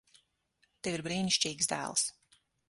Tev ir brīnišķīgs dēls.